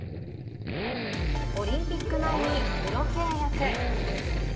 オリンピック前にプロ契約。